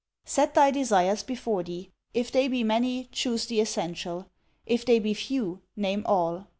'Set thy desires before thee. If they be many, chose the essential: if they be few, name all.